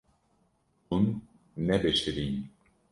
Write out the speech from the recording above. Hûn nebişirîn.